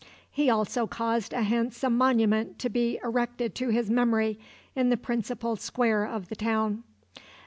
He also caused a handsome monument to be erected to his memory in the principal square of the town.